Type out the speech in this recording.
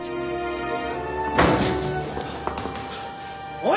おい！